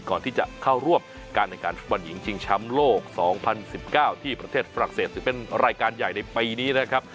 ก่อนที่จะเข้าร่วมการในการฟุตบอลหญิงชิงช้ำโลก๒๐๑๙ที่ประเทศฝรั่งเศสถือเป็นรายการใหญ่ในปีนี้นะครับ